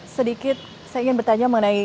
sedikit saya ingin bertanya mengenai